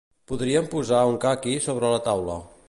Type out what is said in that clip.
Podríem posar un caqui sobre la taula.